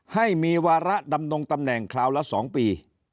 ให้มีวาระดำรงตำแหน่งคราวละ๒ปี